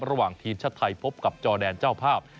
ระหว่างทีมชาติไทยพบกับจอแดนเจ้าภาพ